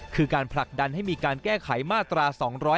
คือการผลักดันให้มีการแก้ไขมาตรา๒๗